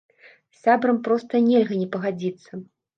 З сябрам проста нельга не пагадзіцца.